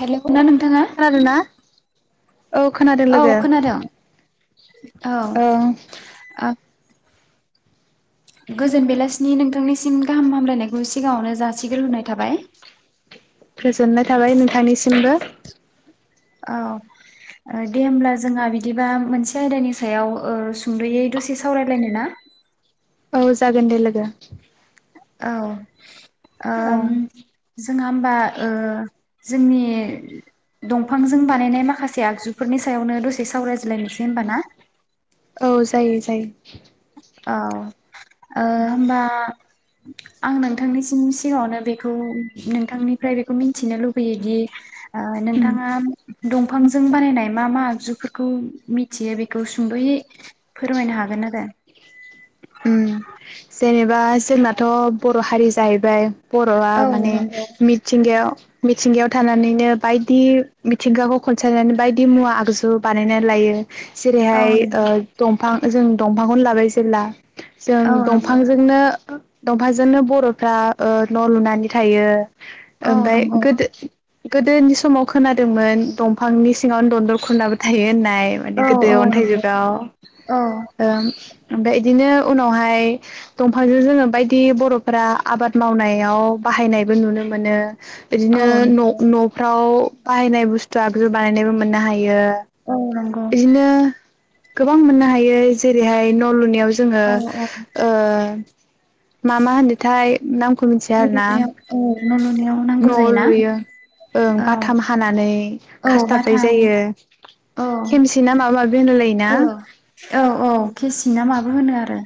Hello ना नोंथाङा खोनादोंना? औ खोनादों औ लोगो खोनादों औ आं गोजोन बेलासिनि नोंथांनिसिम गाहाम हामलायनायखौ सिगाङावनो जासिग्रहोनाय थाबाय ख [unintelligible] गोजोननाय थाबाय नोंथांनिसिमबो औ दे होमब्ला जोंहा बिदिबा मोनसे आयदानि सायाव ओ सुंद'यै दसे सावरायलायनो ना औ जागोन दे लोगो औ ओ औ जोंहा होमबा ओ जोंनि दंफांजों बानायनाय माखासे आगजुफोरनि सायावनो दसे सावरायजलायनोसै होमबा ना औ जायो जायो औ ओ होनबा आं नोंथांनिसिम सिगाङावनो बेखौ नोंथांनिफ्राय बेखौ मिथिनो लुबैयोदि ओ उम नोंथाङा दंफांजों बानायनाय मा मा आगजुफोरखौ मिथियो बेखौ सुंद'यै फोरमायनो हागोन आरो औ उम [unintelligible] जेनेबा जोंनाथ' बर' हारि जाहैबाय बर'आ औ माने नंगौ मिथिंगायाव मिथिंगायाव थानानैनो बायदि मिथिंगाखौ खनसायनानै बायदि मुवा आगजु बानायनानै लायो औ जेरैहाय ओ दम औ जों दंफांखौनो लाबाय जेब्ला जों दं नंगौ बिफांजोंनो दंफांजोंनो बर'फ्रा ओ न' लुनानै थायो औ ओमफ्राय नंगौ गोदो गोदोनि समाव खोनादोंमोन दंफांनि सिङावनो दनदर खुरनाबो थायो होननाय औ गोदो अन्थाइ नंगौ जुगाव ओम औ ओमफाय बिदिनो उनावहाय दंफांजों जोङो बायदि बरफोरा आबाद मावनायाव बाहायनायबो नुनो मोनो औ बिदिनो न नंगौ नफ्राव बाहायनाय बुस्थु आगजु बानायनायबो मोननो हायो औ नंगौ बिदिनो गोबां मोननो हायो जेरैहाय न' लुनायाव जोङो औ नंगौ औ औ मा मा होनदोंथाय नामखौ मिथिया न' आरो ना लुनायाव औ न' लुनायाव नांगौ जायोना औ बाथाम हानानै औ खासथाबनाय बाथा जायो औ खेमसि ना माबा माबि होनलाय लायोना औ औ औ केसि ना माबो होनो आरो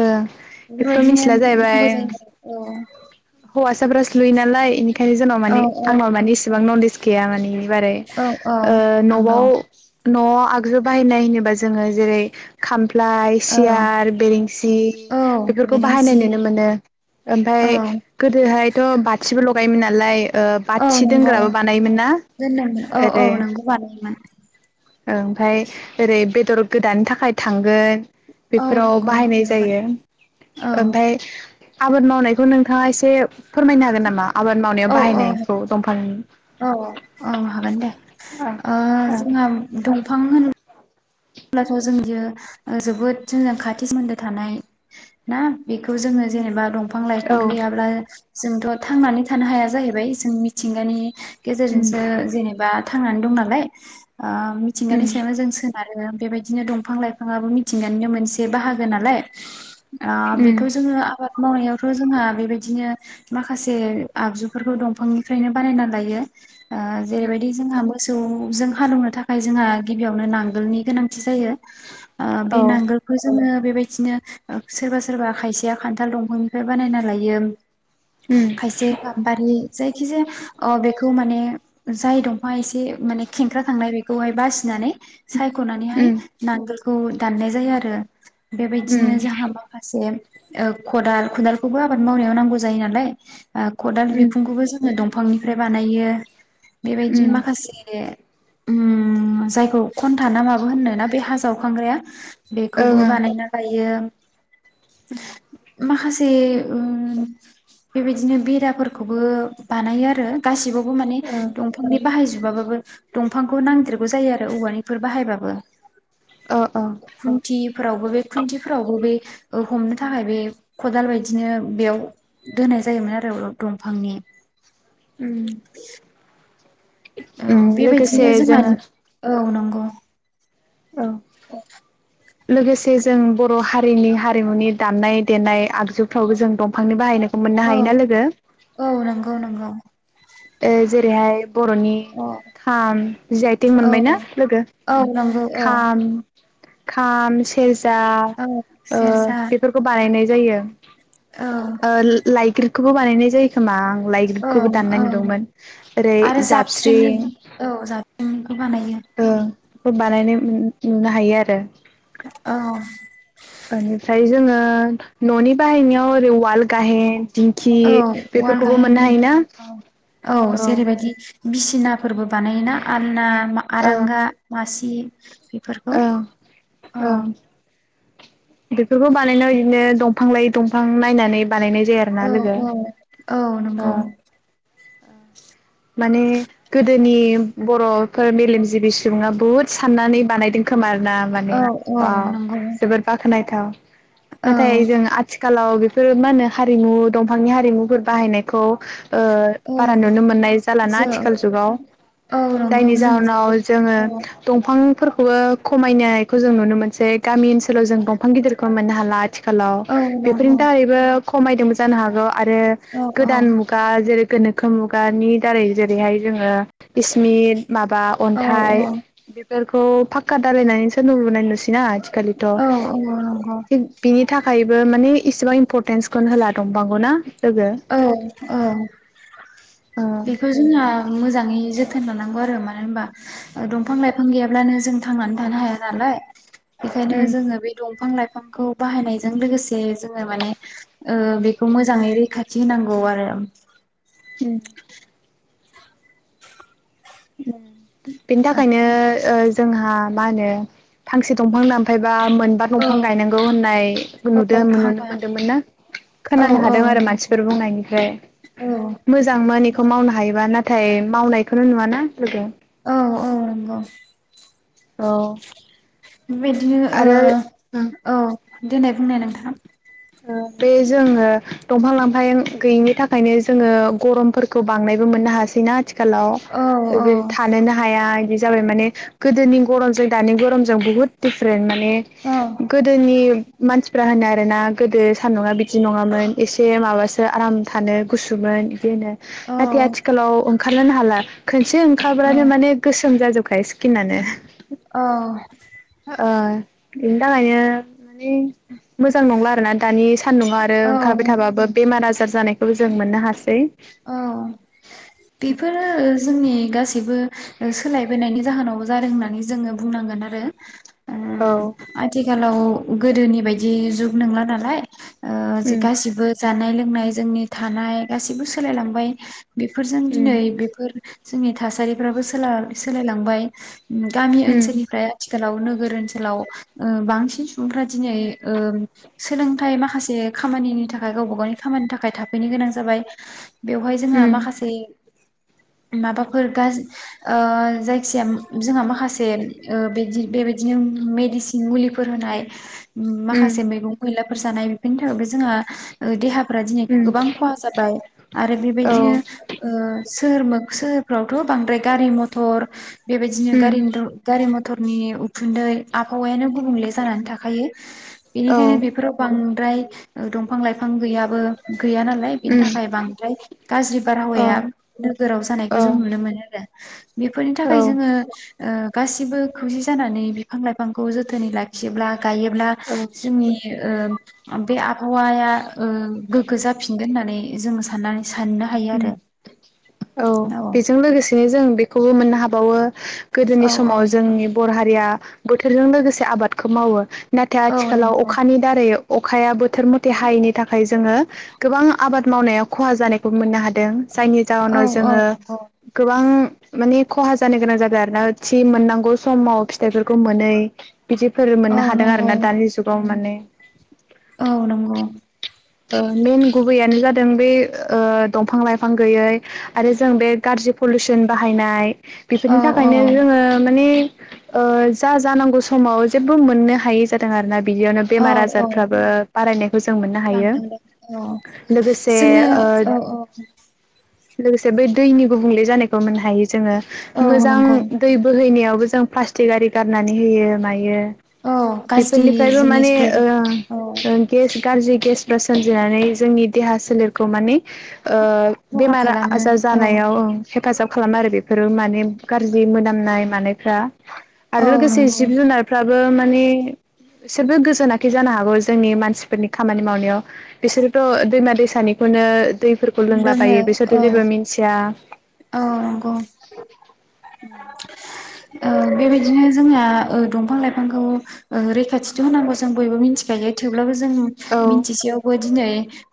ओ एखौथ बेफोरबायदिनो मिथिला जाहैबाय नांगौ जायो आरो। हौवासाफ्रासो लुयो नालाय बेनिखायनो जोंनाव औ मानि आंनाव मानि इसेबां नलेज गैया माने बेनि बारै औ औ ओ नंगौ नवाव नआव आगजु बाहायनाय होनोबा जोङो जेरै खामफ्लाय लाइ औ सियार बेरेंसि औ बेफोरखौ बाहायनाय बेरेंसि नुनो मोनो औ ओमफाय गोदो ओहायथ बाथिबो लगायोमोन नालाय औ बाथि नंगौ दोनग्राबो बानायोमोन ना दोनदोंमोन औ औ ओरै नंगौ बानायोमोन ओमफाय ओरै बेद बेदर गोदानो थाखाय थांगोन औ बेफोराव नंगौ बाहायनाय थांगोन जायो औ ओमफ्राय आबाद मावनायखौ नोंथाङा एसे फोरमायनो हागोन नामा आबाद मावनायाव औ औ बाहायनायखौ दंफां औ औ हागोन दे ओ जोंहा दंफां होनोब्ला अब्लाथ जों बियो जोबोद जों जों खाथि सोमोन्दो थानाय ना बेखौ जोङो जेनेबा दं फां लाइफां औ गैयाब्ला जोंथ थांनानै थानो हाया जाहैबाय जों मिथिंगानि उम गेजेरजोंसो जेनेबा थांनानै दं नालाय ओ उम मिथिंगानि सायावनो जों सोनारो आरो बेबायदिनो दंफां लाइफाङाबो मिथिंगानिनो मोनसे बाहागो नालाय आ उम बेखौ जोङो आबाद मावनायावथ जोंहा बेबायदिनो माखासे आगजुफोरखौ दंफांनिफ्रायनो बानायना लायो जेरैबायदि जोंहाबो मोसौ जों हाल एवनो थाखाय जोंहा गिबियावनो नांगोलनि गोनांथि जायो अ बे औ नांगोलखौ जोङो बेबायदिनो अ सोरबा सोरबा खायसेया खान्थाल दंफांनिफ्राय बानायना लायो उम खायसे गामबारि जायखि जाया अ बे बेखौ माने जाय दंफां एसे माने खेंख्रा थांनाय बेखौहाय बासिनानै साइ नानै हाय उम नां नांगोलखौ दाननाय जायो आरो उम बेबायदिनो जाहा माखासे अ खदाल खदालखौबो आबाद मावनायाव नांगौ जायो नालाय अ खदाल उम बिखुंखौबो जोङो दं बिफांनिफ्राय बानायो बेबायदि उम माखासे उ जायखौ खन थाना माबो होननो ना बे हा जावखांग्राया बेखौबो बानायना लायो उम माखासे उ बेबायदिनो बेराफोरखौबो बानायो आरो गासिबो बो माने ओं दंफांनि बाहायजोबो माबाबो दंफांखौ नांदेरगौ जायो आरो औवानि बेफोर बाहायबाबो अ खुन्थिफोरावबो बे खुन्थिफोरावबो बे अ हमनो थाखाय बे खदाल बायदिनो बेयाव दोनाय जायोमोन आरो दंफांनि उम औ उ लोगोसे बेबायदिनो जोंहा जोङो नंगौ औ औ लोगोसे जों बर हारिनि हारिमुनि दामनाय देनाय आगजुफ्रावबो जों दंफांनि बाहायनाय औ औ नंगौ नंगौ ओ जेरैहाय बरनि औ खाम जि आइ टेक औ मोनबायना लोगो औ उम नंगौ औ खाम खाम सेर जा औ अ सेरजा बेफोरखौ बानायनाय जायो औ आ ला [inaudible] फ्रि खौबो बानायनाय जायो खोमा आं [unintelligible] ओं खौबो दाननानै ओं दोंमोन जेरै आरो जाबस्रि जाबस्रिंनि औ जाबस्रिंनिखौ बानायो [unintelligible] बानायनाय नुनो हायो आरो औ बेनिफ्राय जोङो ओ ननि बाहायनायाव ओरै उवाल गाइहे दिंखि औ उवाल बेफोरखौबो मोननो गाहेननि हायोना औ औ जेरैबायदि बिसिनाफोरबो बानायोना आलना ओं आरांगा मासि [unintelligible] बेफोरखौ ओं औ ओं बेफोरखौ बानायनायाव बिदिनो दंफां लायै दंफां नायनानै बानायनाय जायो आरोना औ लोगो औ औ [unintelligible] माने गोदोनि बरफोर मेलेमजिबि सुबुङा बहुद साननानै बानायदों खोमा दा माने औ औ अ नंगौ जोबोत गनायथाव औ नाथाय जों आथिखाल आथिखालाव बेफोरो मा होनो हारिमु दंफांनि हारिमुफोर बाहायनायखौ ओ औ बारा नुनो मोननाय जालाना जों आथिखाल जुगाव औ नंगौ जायनि जों जाहोनाव जोबोद जोङो औ दंफांफोरखौ खौ खमायनायखौ जों नुनो मोनसै गामि ओनसोलाव ओलाव जों दंफां गिदिरखौ मोननो हाला आथिखालाव औ बेफोरनि नंगौ थाखायैबो खमायदोंबो जानो हागौ आरो औ औ गोदान मुगा जेरै गोनोखो मुगानि दारै जेरैहाय जोङो इस्मि माबा औ अन्थाइ औ बेफोरखौ खौ फाखका दालायनानैसो न' लुनाय नुसैना थिखालिथ औ औ नंगौ बेबो माने इसेबां इम्परटेन्सखौनो होला दंफांखौ ना लोगो औ औ ओ बेखौ जोंहा मोजाङै जोथ थोन लानांगौ आरो मानो होनबा दंफां लाइफां गैयाब्लानो जों थांनानै थानो हाया नालाय बेखायनो उम जोङो बे दं फां लाइफांखौ बाहायनायजों लोगोसे जोङो माने ओ बे खौ मोजाङै रैखाथि होनांगौ आरो उम ह [unintelligible] बेनि थाखायनो ओ जोंहा मा होनो फांसे दंफां दानफायबा मोनबा औ दंफां गायनांगौ होननाय नुदो औ फांबा नुनोमोनदोंमोन ना औ खोनानो औ हादों आरो नंगौ मानसिफोर बुंनायनिफ्राय औ मोजांमोन इखौ मावनो हायोबा ना थाय मावनायखोनो नुवा ना ग [unintelligible] औ औ नंगौ औ बिदिनो आरो ओं ओ औ देनाय बुंनाय नोंथां बे जोङो दंफां लांफां गैयिनि थाखायनो जोङो गरमफोरखौ बांनायबो मोननो हायासैना आथि खालाव औ औ ज थानोनो हाया इदि जाबाय माने गोदोनि गरमजों दानि गरमजों बुहुत दिफरेन्ट मा ने औ गोदोनि मानसिफ्रा होनो आरोना गोदो सान्दुङा बिदि नङामोन एसे माबासो आराम थानो गुसुमोन बेनो औ नाथाय आथिखालाव ओं खारलानो हाला खोनसे ओंखारब्लानो औ माने गोसोम जाजोबखायो स्किनानो औ अ बेनि थाखायनो ने मोजां नंला आ दानि सान्दुङा आरो औ औ ओंखारबाय थाबाबो बेमारा ज [unintelligible] खौ जों मोननो हासै औ बेफोरो जोंनि गासैबो ओ सोलायबोनायनि जाहोनावबो जादों होननानै जोङो बुंनांगोन आरो औ उम आथिखालाव गोदोनि बायदि जुग नोंला नालाय ओ जि उम गासिबो जानाय लोंनाय जोंनि थानाय गासिबो सोलायलांबाय बेफोरजों उम दिनै बेफोर जोंनि थासारिफ्राबो सोला-सोलायलांबाय गामि उम ओनसोलनिफ्राय आथि सोलाव नोगोर ओनसोलाव उम बांसिन सुबुंफ्रा दिनै ओम सोलोंथाइ माखासे खामानिनि थाखाय गावबा गावनि खामानिनि थाखाय थाफैनो गोनां जाबाय बेवहाय जोंहा उम माखासे माबाफोर गाज-ओ जायखि जाया जोंहा माखासे [unintelligible] बेबायदिनो मेडिसिन मुलिफोर होनाय उम माखासे मेगं मैला फोर जानाय बेफोरनि थाखायबो जोंहा ओ देहा फोरा दिनै उम गोबां खहा जाबाय आरो औ बेबायदिनो ओ सोर मोख सोहोरफ्रावथ बांद्राय गारि मथर बेबायदिनो उम गारि [unintelligible] गारि मथ टरनि उखुन्दै आबहावायानो गुबुंले जानानै थाखायो औ बेनिखायनो बेफोर बां फ्राय दंफां लाइफां गैयाबो गैया नालाय बिनि उम थाखाय बां फ्राय गाज्रि अ बारहावाया नोगोराव जानायखौ अ जों नुनो मोनो आरो बेफोरनि थाखाय औ जोङो ओ गासिबो खौसे जानानै बिफां लाइफांखौ जोथोनै लाखियोब्ला गायोब्ला औ जोंनि ओ ओमफाय आबहावाया ओम गोग्गो जाफिनगोन होननानै जों सा थानाय औ बेजों लोगोसे बे जों बेखौ मोननो हाबावो गोदोनि औ समाव जोंनि बर हारिया बोथोरजों लोगोसे आबादखौ मावो नाथाय औ औ आथिखालाव नंगौ अखानि दारै अखाया बोथोर मथे हायैनि थाखाय जोङो गोबां आबाद मावनायाव खहा जानाय खौ मोननो हादों जायनि औ जाहोनाव औ जोङो नंगौ गोबां माने खहा जानो गोनां जादों आरोना थि मोननांगौ समाव फिथाइफोरखौ मोनै बिदिफोर औ मोननो हादों आरो नंगौ ना दानि जुगाव माने औ नंगौ ओ मेइन गुबैयानो जादों बे ओ दंफां लाइफां गैयै आरो जों बे गाज्रि पलिउसन बाहायनाय। बेफोरनि औ औ थाखायनो जोङो माने ओ जा जानांगौ समाव जेबो मोननो हायै जादों आरो ना बिदियावनो बेमार औ औ आजारफ्राबो बारायनायखौ जों मोननो हायो अ लोगोसे जोङो ओ औ औ लोगोसे बै दैनि गुबुंले जानायखौ मोननो हायो जोङो औ मोजां नंगौ दै बोहैनायावबो- जों प्लास्टिक आरि गारनानै होयो मायो औ गाज्रि बेफोरनिफ्रायबो माने जिनिसफोर ओ औ ओ गेस गाज्रि गेस फ्रा सोमजिनानै जोंनि देहा सोलेरखौ माने ओ खहा बेमार खालामो आजार औ जानायाव हेफाजाब खालामो आरो बेफोरो माने गाज्रि मोनामनाय मानायफ्रा औ आरो लोगोसे नंगौ जिब जुनारफ्राबो माने बिसोरबो गोजोनाखै जानो हागौ जोंनि मानसिफोरनि खामानि मावनायाव बिसोरथ दैमा दैसानिखौनो दैफोरखौ लोङो लोंलाबायो बेसोरथ औ जेबो मिन्थिया औ नंगौ ओ बेबायदिनो जोंहा दंफां लाइफांखौ ओ रैखाथिथ होनांगौ जों बयबो मिथिखायो थेवब्लाबो जों जों औ मिथिसेयावबो दिनै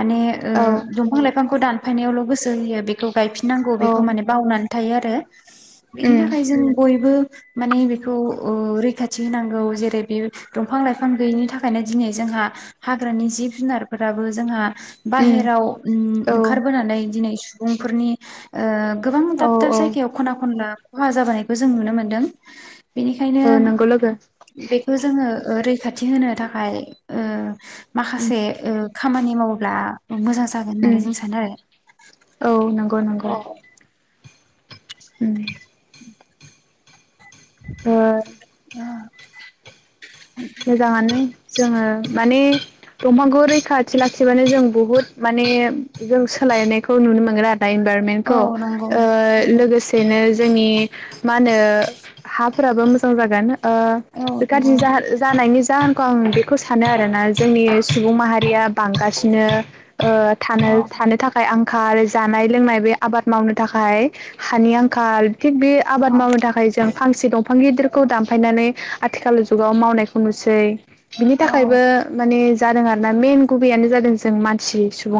माने ओ औ दंफां लाइफांखौ दान फायनायावल गोस सो होयो बेखौ गायफिन नांगौ औ बेखौ माने बावनानै थायो आरो बेनि उम थाखाय जों बयबो माने बेखौ ओ रैखाथि होनांगौ जेरै बेयो दंफां लाइफां गैयिनि थाखायनो दिनै जोंहा हाग्रानि जिब जुनारफोराबो जोंहा उम बाहेराव उम औ ओंखारबोनानै दिनै सु सुबुंफोरनि ओ गोबां औ दाब दाब औ जायगायाव खना खनला खहा जाबोनायखौ जों नुनो मोनदों बेनिखायनो औ नंगौ लोगो बेखौ जोङोै ओ रै खाथि होनो थाखाय ओ उम माखासे ओ खामानि मावोब्ला मोजां जागोन होननानै उम जों सानो आरो औ नंगौ नंगौ औ उम ओ अ मोजाङानो [unintelligible] जोङो माने दंफांखौ रैखाथि लाखिबानो जों बुहुद माने जों सोलायनायखौ नुनो मोनगोन आरो दा इनभारमेन्टे‌खौ औ नंगौ ओ लोगोसेनो जोंनि मा होनो हाफोराबो मोजां जागोन। ओ औ बे नंगौ गाज्रि जा ओ नि जाहोनखौ आं बेखौ सानो आरोना जोंनि सुबुं माहारिया बांगासिनो ओ थानो औ थानो थाखाय आं आंखाल जानाय लोंनाय बे आबाद मावनो थाखाय हानि आंखाल थिग बे आबाद औ मावनो थाखाय जों फांसे दं फां गिदिरखौ दानफायनानै आथिखाल जुगाव मावनाय खौ नुसै बिनि औ थाखायबो माने जादों आरोना मेेन गुबैयानो जादों जों मानसि सुबुं